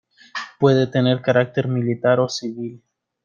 Puede tener carácter militar o civil.